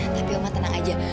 tapi oma tenang aja